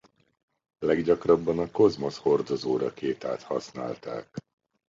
Leggyakrabban a Koszmosz hordozórakétát használták.